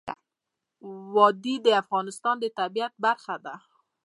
وادي د افغانستان د طبیعت برخه ده.